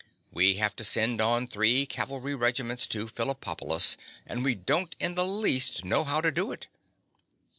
We have to send on three cavalry regiments to Phillipopolis; and we don't in the least know how to do it.